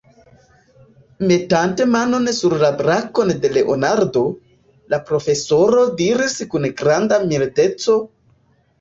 Metante manon sur la brakon de Leonardo, la profesoro diris kun granda mildeco: